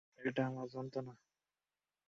এটা আমার কল্পনা!